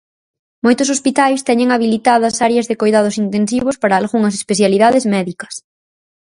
Moitos hospitais teñen habilitadas áreas de coidados intensivos para algunhas especialidades médicas.